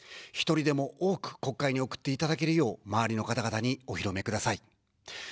１人でも多く国会に送っていただけるよう、周りの方々にお広めください。